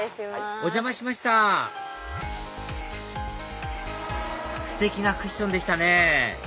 お邪魔しましたステキなクッションでしたね